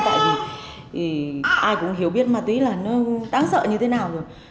tại vì ai cũng hiểu biết ma túy là nó đáng sợ như thế nào rồi